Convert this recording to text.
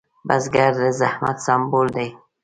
بزګر د زحمت سمبول دی